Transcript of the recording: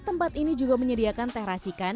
tempat ini juga menyediakan teh racikan